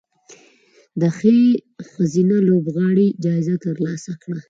د ښې ښځینه لوبغاړې جایزه ترلاسه کړه